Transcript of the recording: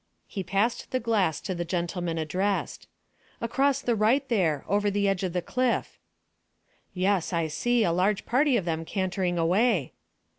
He passed the glass to the gentleman addressed. "Across the right, there, over the edge of the cliff." "Yes, I see; a large party of them cantering away."